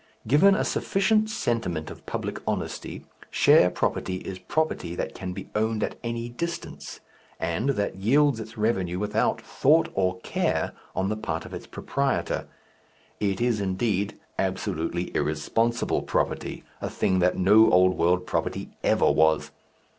Given a sufficient sentiment of public honesty, share property is property that can be owned at any distance and that yields its revenue without thought or care on the part of its proprietor; it is, indeed, absolutely irresponsible property, a thing that no old world property ever was.